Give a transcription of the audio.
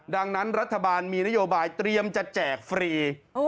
ดังนั้นรัฐบาลมีนโยบายเตรียมจะแจกฟรี